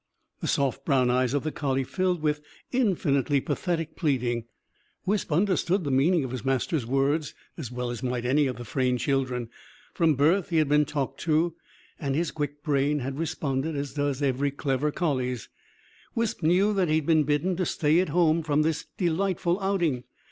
The soft brown eyes of the collie filled with infinitely pathetic pleading. Wisp understood the meaning of his master's words as well as might any of the Frayne children. From birth he had been talked to; and his quick brain had responded; as does every clever collie's. Wisp knew he had been bidden to stay at home from this delightful outing.